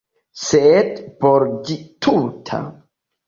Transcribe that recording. Sed por ĝi tuta.